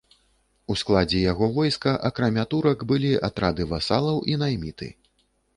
У складзе яго войска акрамя турак былі атрады васалаў і найміты.